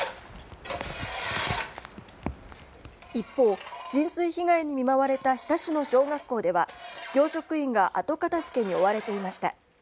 一方、浸水被害に見舞われた日田市の小学校では教職員が後片付けに追われていました。